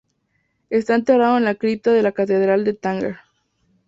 Está enterrado en la Cripta de la Catedral de Tánger.